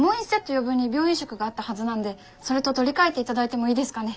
余分に病院食があったはずなんでそれと取り替えて頂いてもいいですかね。